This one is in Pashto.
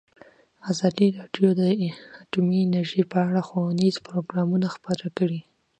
ازادي راډیو د اټومي انرژي په اړه ښوونیز پروګرامونه خپاره کړي.